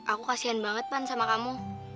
aku kasian banget pan sama kamu